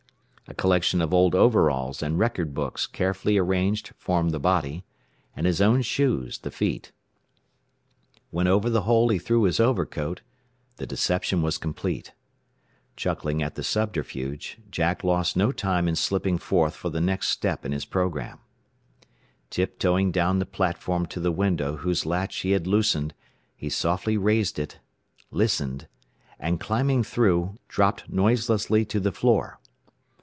A collection of old overalls and record books carefully arranged formed the body, and his own shoes the feet. When over the whole he threw his overcoat, the deception was complete. Chuckling at the subterfuge, Jack lost no time in slipping forth for the next step in his program. Tiptoeing down the platform to the window whose latch he had loosened, he softly raised it, listened, and climbing through, dropped noiselessly to the floor.